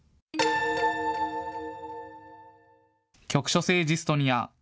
局所性ジストニア。